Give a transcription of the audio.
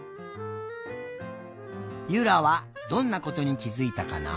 ゆらはどんなことにきづいたかな？